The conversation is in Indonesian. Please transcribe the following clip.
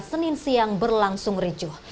senin siang berlangsung ricuh